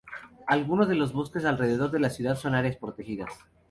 Algunos de los bosques alrededor de la ciudad son áreas protegidas.